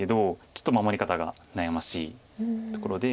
ちょっと守り方が悩ましいところで。